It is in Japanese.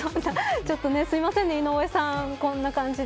ちょっとすいませんね、井上さんこんな感じで。